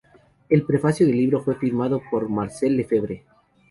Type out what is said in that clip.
El prefacio del libro fue firmado por Marcel Lefebvre.